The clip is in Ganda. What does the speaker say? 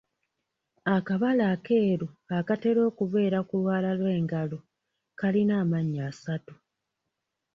Akabala akeeru akatera okubeera ku lwala lw'engalo kalina amannya asatu.